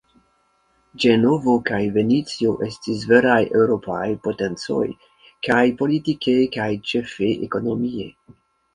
Ĝenovo kaj Venecio estis veraj eŭropaj potencoj kaj politike kaj ĉefe ekonomie.